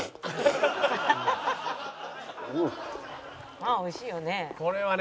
「まあ美味しいよね」